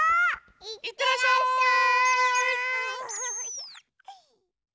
いってらっしゃい！